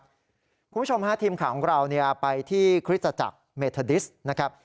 คุณผู้ชมฮะทีมข่าวของเราไปที่คริสตจักรเมธาดิสนะครับ